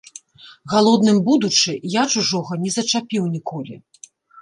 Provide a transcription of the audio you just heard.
Галодным будучы, я чужога не зачапіў ніколі.